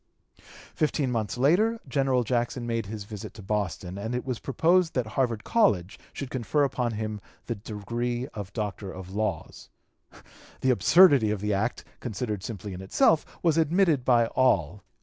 Fifteen months later General Jackson made his visit to Boston, and it was proposed that Harvard College should confer upon him the degree of Doctor of Laws. The absurdity of the act, considered simply in itself, was admitted by all.